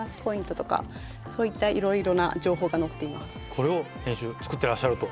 これを編集作ってらっしゃると。